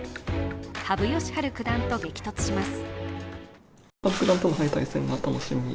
羽生善治九段と激突します。